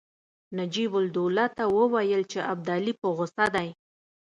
نجیب الدوله ته وویل چې ابدالي په غوسه دی.